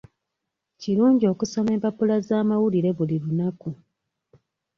Kirungi okusoma empapula z'amawulire buli lunaku.